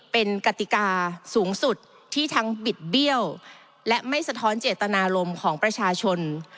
เป็นกติกาสูงสุดที่ทั้งบิดเบี้ยวและไม่สะท้อนเจตนารมณ์ของประชาชน